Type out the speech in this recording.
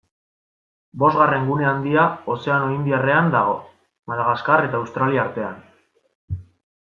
Bosgarren gune handia Ozeano Indiarrean dago, Madagaskar eta Australia artean.